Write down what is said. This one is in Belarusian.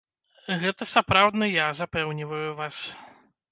Гэта сапраўдны я, запэўніваю вас!